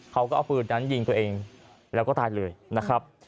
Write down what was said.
เขาก็เอาปืนนั้นยิงตัวเองแล้วก็ตายเลยนะครับ